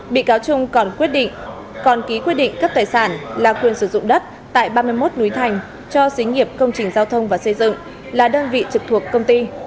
bị cáo chung còn ký quyết định cấp tài sản là quyền sử dụng đất tại ba mươi một núi thành cho xế nghiệp công trình giao thông và xây dựng là đơn vị trực thuộc công ty